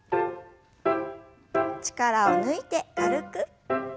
力を抜いて軽く。